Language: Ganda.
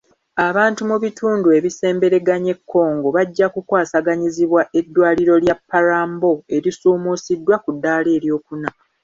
Abantu mu bitundu ebisembereganye Congo bajja kukwasaganyizibwa eddwaliro lya Parambo erisuumuusiddwa ku ddaala ery'okuna.